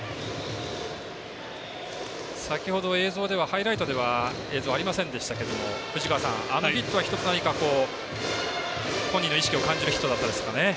先ほどハイライトでは映像ありませんでしたがあのヒットは１つ、何か本人の意識を感じるヒットでしたかね。